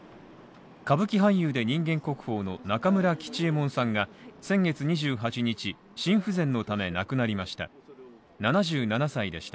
歌舞伎俳優で人間国宝の中村吉右衛門さんが先月２８日、心不全のため亡くなりました。